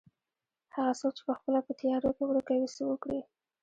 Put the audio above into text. هغه څوک چې پخپله په تيارو کې ورکه وي څه وکړي.